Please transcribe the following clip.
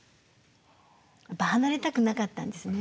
離れたくなかったんですね。